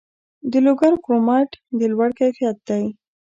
د لوګر کرومایټ د لوړ کیفیت دی